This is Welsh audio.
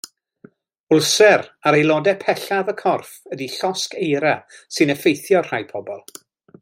Wlser ar aelodau pellaf y corff ydy llosg eira sy'n effeithio rhai pobl.